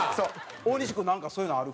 大西君なんかそういうのある？